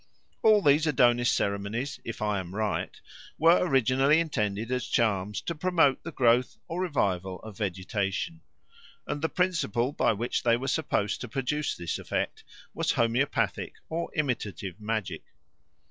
All these Adonis ceremonies, if I am right, were originally intended as charms to promote the growth or revival of vegetation; and the principle by which they were supposed to produce this effect was homoeopathic or imitative magic.